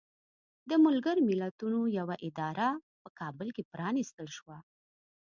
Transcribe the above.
د ملګرو ملتونو یوه اداره په کابل کې پرانستل شوه.